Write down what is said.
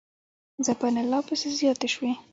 ځپنه لاپسې زیاته شوې